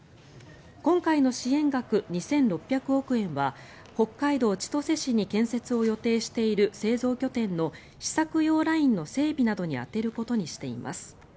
今回の支援額２６００億円は北海道千歳市に建設を予定している製造拠点の試作用ラインの整備などに充てることにしています。